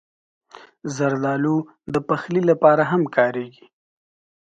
زردالو د پخلي لپاره هم کارېږي.